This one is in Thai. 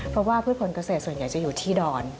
เพราะว่าพืชผลเกษตรส่วนใหญ่จะอยู่ที่ดอน